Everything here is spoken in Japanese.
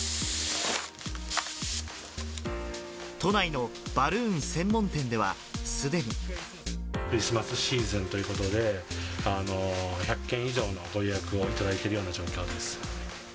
都内のバルーン専門店では、クリスマスシーズンということで、１００件以上のご予約を頂いているような状況です。